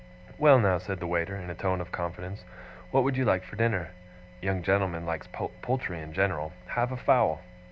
'Well now,' said the waiter, in a tone of confidence, 'what would you like for dinner? Young gentlemen likes poultry in general: have a fowl!